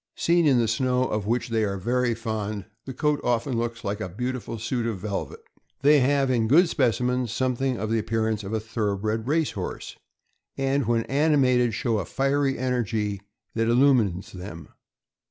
Seen in the snow, of which they are very fond, the coat often looks like a beautiful suit of velvet. They have, in good specimens, something of the appear ance of a thorough bred race horse, and when animated show a fiery energy that illumines them.